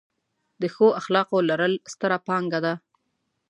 د ښو اخلاقو لرل، ستره پانګه ده.